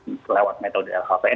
bahkan lewat metode lhkpn ya